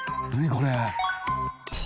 これ。